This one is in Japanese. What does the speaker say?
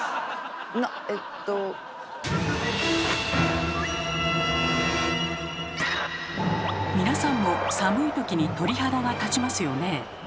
なっ⁉えっと⁉皆さんも寒いときに鳥肌が立ちますよね。